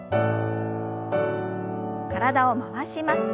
体を回します。